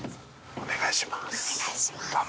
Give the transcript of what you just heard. お願いします。